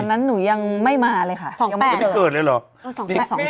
นั้นหนูยังไม่มาเลยค่ะยังไม่เกิดเลยเหรอ